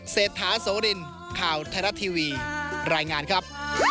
เศรษฐาโสรินข่าวไทยรัฐทีวีรายงานครับ